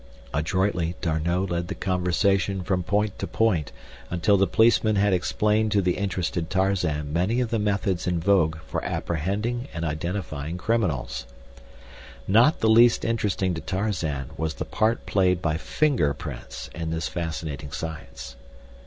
Adroitly D'Arnot led the conversation from point to point until the policeman had explained to the interested Tarzan many of the methods in vogue for apprehending and identifying criminals. Not the least interesting to Tarzan was the part played by finger prints in this fascinating science.